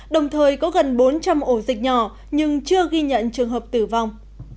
đồng thời có gần bốn trăm linh ổ dịch nhỏ nhưng chưa ghi nhận trường hợp tử vong